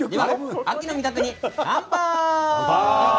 秋の味覚に乾杯！